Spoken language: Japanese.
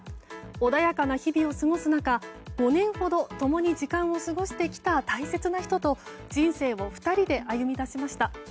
穏やかな日々を過ごす中５年ほど共に時間を過ごしてきた大切な人と人生を２人で歩み出しました。